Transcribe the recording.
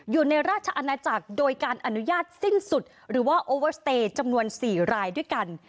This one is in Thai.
อยู่ในราชอาณาจักรโดยการอนุญาตสิ้นสุดหรือว่าโอเวอร์สเตย์จำนวน๔รายด้วยกัน